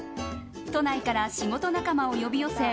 都内から仕事仲間を呼び寄せ